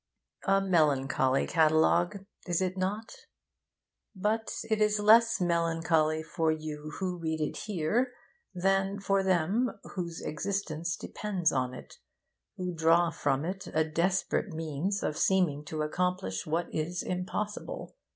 A melancholy catalogue, is it not? But it is less melancholy for you who read it here, than for them whose existence depends on it, who draw from it a desperate means of seeming to accomplish what is impossible.